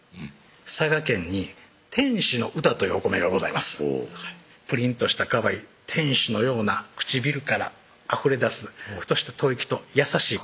佐賀県に「天使の詩」というお米がございますプリンとしたかわいい天使のような唇からあふれ出すふとした吐息と優しい言葉